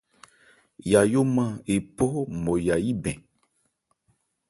Yayó nman ephɔ́ Nmɔya yí bɛn.